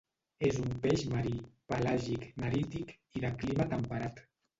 És un peix marí, pelàgic-nerític i de clima temperat.